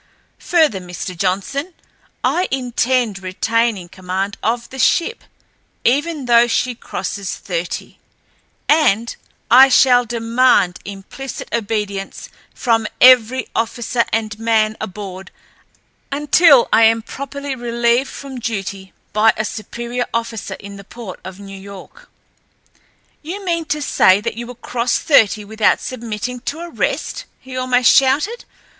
Further, Mr. Johnson, I intend retaining command of the ship, even though she crosses thirty, and I shall demand implicit obedience from every officer and man aboard until I am properly relieved from duty by a superior officer in the port of New York." "You mean to say that you will cross thirty without submitting to arrest?" he almost shouted.